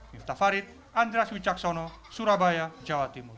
miftah farid andreas wicaksono surabaya jawa tenggara